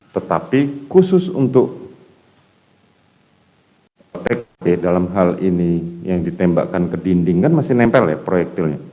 tetapi khusus untuk tk dalam hal ini yang ditembakkan ke dinding kan masih nempel ya proyektilnya